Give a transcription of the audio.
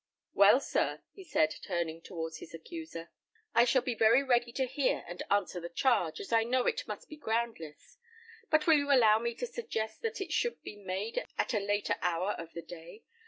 "Well, sir," he said, turning towards his accuser, "I shall be very ready to hear and answer the charge, as I know it must be groundless; but will you allow me to suggest that it should be made at a later hour of the day.